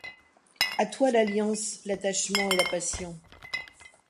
À toi L'alliance, l'attachement et la passion...